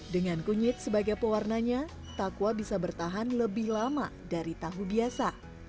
dengan kunyit sebagai pewarnanya takwa bisa bertahan lebih lama dari tahu biasa